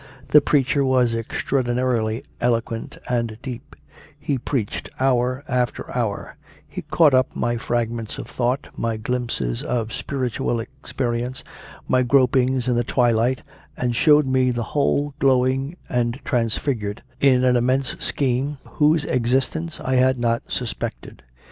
The preacher was extraordinarily eloquent and deep; he preached hour after hour; he caught up my fragments of thought, my glimpses of spirit ual experience, my gropings in the twilight, and showed me the whole, glowing and transfigured in 36 CONFESSIONS OF A CONVERT an immense scheme whose existence I had not suspected.